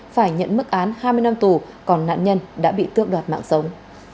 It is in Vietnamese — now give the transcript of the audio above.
phải nhận mức án hai mươi năm tù còn nạn nhân đã bị tước đoạt mạng sống